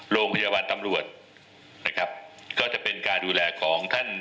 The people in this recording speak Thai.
โรงพยาบาลตำรวจนะครับก็จะเป็นการดูแลของท่าน